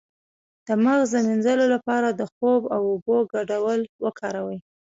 د مغز د مینځلو لپاره د خوب او اوبو ګډول وکاروئ